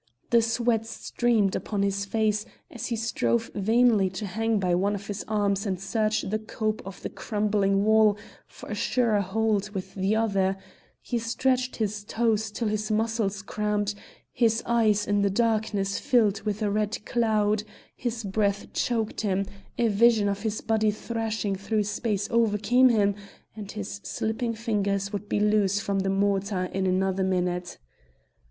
The sweat streamed upon his face as he strove vainly to hang by one of his arms and search the cope of the crumbling wall for a surer hold with the other; he stretched his toes till his muscles cramped, his eyes in the darkness filled with a red cloud, his breath choked him, a vision of his body thrashing through space overcame him, and his slipping fingers would be loose from the mortar in another minute!